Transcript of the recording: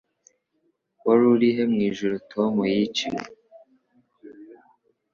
Wari urihe mwijoro Tom yiciwe